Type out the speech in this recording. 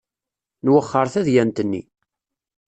Nwexxer tadyant-nni.